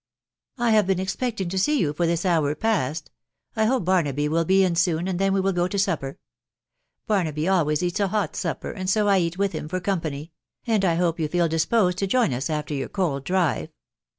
" I have been expecting to see you for this hour past. I hope Barnaby will be in soon, and then we will go to supper, Barnaby always eats a hot supper, and so I eat it with him for company, ..., and I hope you feel disposed to join us after your cold drive."